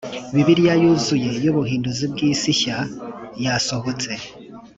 bibiliya yuzuye y ubuhinduzi bw isi nshya yasohotse